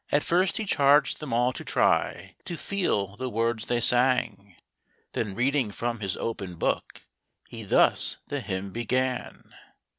And first he charged them all to try To feel the words they sang; Then reading from his open book, He thus the hymn began.